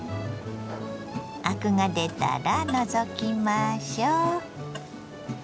アクが出たら除きましょ。